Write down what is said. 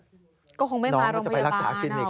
ก็คงไม่มาโรงพยาบาลน้องเขาจะไปรักษาคลินิก